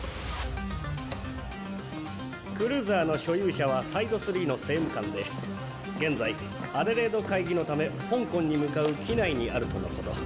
クルーザーの所有者はサイド３の政務官で現在アデレード会議のためホンコンに向かう機内にあるとのこと。